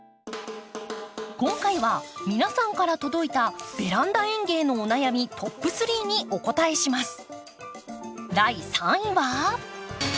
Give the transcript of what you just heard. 今回は皆さんから届いたベランダ園芸のお悩みトップ３にお答えします。